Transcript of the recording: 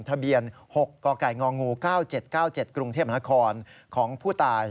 ทะเบียน๖กกง๙๗๙๗กรุงเทพนครของผู้ตาย